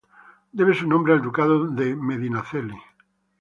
Debe su nombre al ducado de Medinaceli.